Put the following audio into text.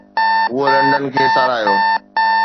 هوء لنڊن کي ساراهيو